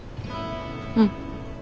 うん。